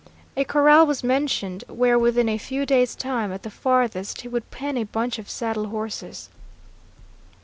A corral was mentioned, where within a few days' time, at the farthest, he would pen a bunch of saddle horses.